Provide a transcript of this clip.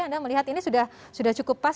anda melihat ini sudah cukup pas